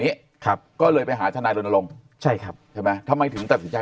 นี้ครับก็เลยไปหาทนายรณรงค์ใช่ครับใช่ไหมทำไมถึงตัดสินใจ